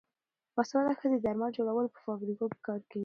باسواده ښځې د درمل جوړولو په فابریکو کې کار کوي.